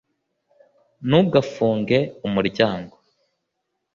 ntugafunge umuryango